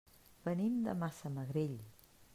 Venim de Massamagrell.